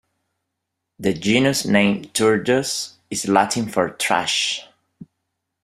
The genus name "Turdus" is Latin for "thrush".